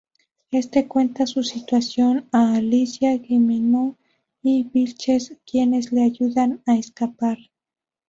Este cuenta su situación a Alicia, Gimeno y Vilches quienes le ayudan a escapar.